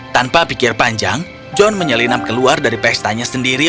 tanpa pikir panjang john menyelinap keluar dari pestanya sendiri